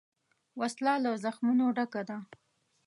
وسله له زخمونو ډکه ده